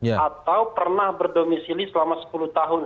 atau pernah berdomisili selama sepuluh tahun